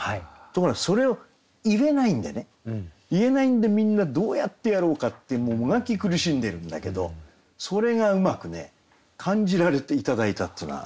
ところがそれを言えないんでね言えないんでみんなどうやってやろうかってもがき苦しんでるんだけどそれがうまく感じられて頂いたっていうのは。